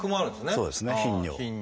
そうですね「頻尿」。